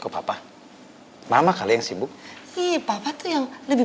papa mama kali yang sibuk papa tuh yang lebih